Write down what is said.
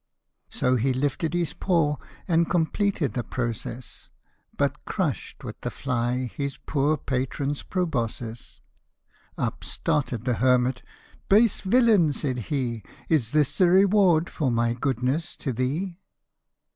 So he lifted his paw, and completed the process, But crush'd with the fly his poor patron's proboscis ! 12 Up started the hermit" Base villain," said he, " Is this the reward for my goodness to thee